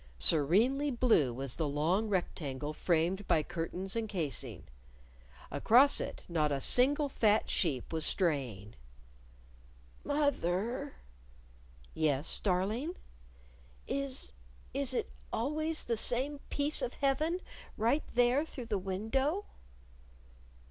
Serenely blue was the long rectangle framed by curtains and casing. Across it not a single fat sheep was straying. "Moth er!" "Yes, darling?" "Is is always the same piece of Heaven right there through the window?"